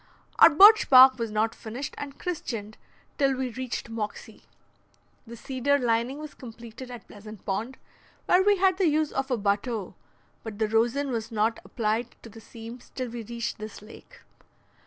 Our birch bark was not finished and christened till we reached Moxie. The cedar lining was completed at Pleasant Pond, where we had the use of a bateau, but the rosin was not applied to the seams till we reached this lake.